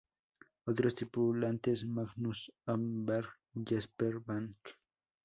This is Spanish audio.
Otros tripulantes: Magnus Holmberg, Jesper Bank.